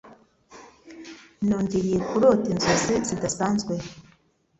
Nongeye kurota inzozi zidasanzwe